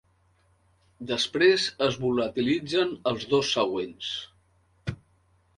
Després es volatilitzen els dos següents.